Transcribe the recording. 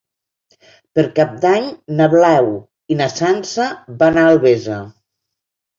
Per Cap d'Any na Blau i na Sança van a Albesa.